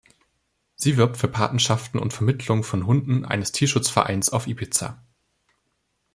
Sie wirbt für Patenschaften und Vermittlungen von Hunden eines Tierschutzvereins auf Ibiza.